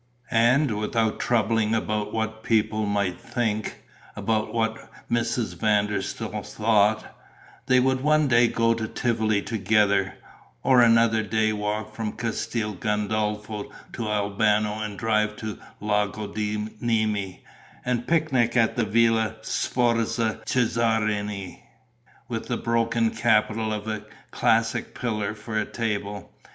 And, without troubling about what people might think, about what Mrs. van der Staal thought, they would one day go to Tivoli together, or another day walk from Castel Gandolfo to Albano and drive to the Lago di Nemi and picnic at the Villa Sforza Cesarini, with the broken capital of a classic pillar for a table.